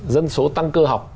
dân số tăng cơ học